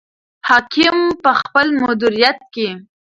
حاکم په خپل مدیریت کې.